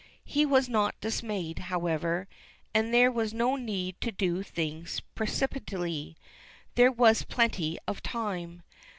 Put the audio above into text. He was not dismayed, however, and there was no need to do things precipitately. There was plenty of time.